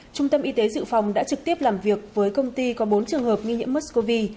trung tâm y tế dự phòng đã trực tiếp làm việc với công ty có bốn trường hợp nghi nhiễm mscow